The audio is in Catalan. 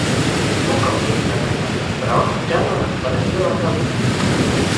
Un cop conjurat el perill, però, ja no recuperaria l'alcaldia.